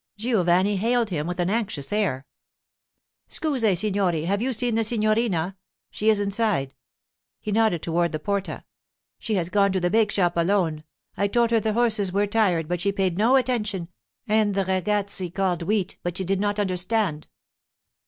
Giovanni hailed him with an anxious air. 'Scusi, signore; have you seen the signorina? She is inside.' He nodded toward the porta. 'She has gone to the bake shop alone. I told her the horses were tired, but she paid no attention; and the ragazzi called "Wheat!" but she did not understand.